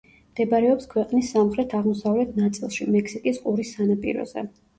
მდებარეობს ქვეყნის სამხრეთ-აღმოსავლეთ ნაწილში, მექსიკის ყურის სანაპიროზე.